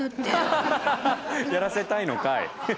ハハハやらせたいのかい？